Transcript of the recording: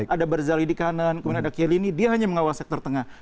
ada barzali di kanan kemudian ada killini dia hanya mengawal sektor tengah